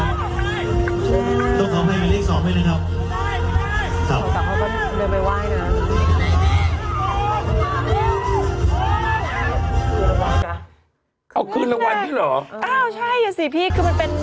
อ้าวใช่ล่ะสิพี่คือมันเป็นประเด็นจริงมาบ้านวางใจครับ